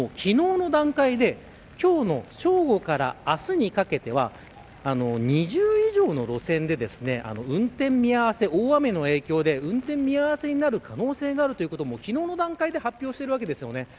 ＪＲ西日本としては昨日の段階で今日の正午から明日にかけては２０以上の路線で大雨の影響で運転見合わせになる可能性があるということも昨日の段階で発表しています。